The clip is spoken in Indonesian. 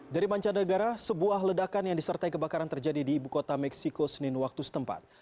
dari mancanegara sebuah ledakan yang disertai kebakaran terjadi di ibu kota meksiko senin waktu setempat